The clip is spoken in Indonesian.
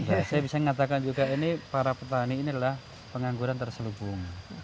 saya bisa mengatakan juga ini para petani ini adalah pengangguran terselubung